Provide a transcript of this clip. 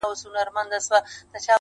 هغه کيسې د تباهيو، سوځېدلو کړلې٫